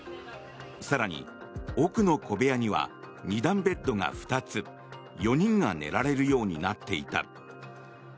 更に、奥の小部屋には２段ベッドが２つ４人が寝られるようになっていた。